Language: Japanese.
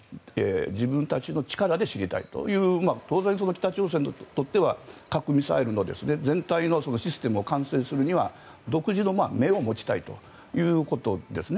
自分たちの力で知りたいという当然、北朝鮮にとっては核・ミサイルの全体のシステムを完成するには独自の目を持ちたいということですね。